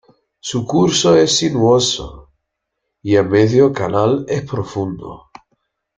Su curso es sinuoso y a medio canal es profundo.